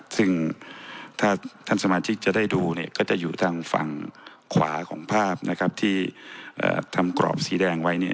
ซึ่งถ้าท่านสมาชิกจะได้ดูก็จะอยู่ทางฝั่งขวาของภาพที่ทำกรอบสีแดงไว้